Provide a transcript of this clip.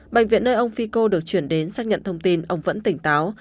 bệnh viện nơi ông fico được chuyển đến xác nhận thông tin ông vẫn tỉnh táo